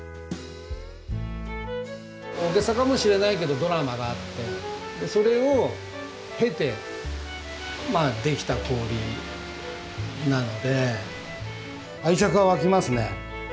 大げさかもしれないけどドラマがあってそれを経てできた氷なので愛着は湧きますね。